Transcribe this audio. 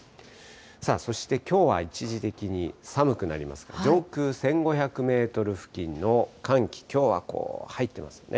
そしてきょうは、一時的に寒くなりますが、上空１５００メートル付近の寒気、きょうはこう、入ってますよね。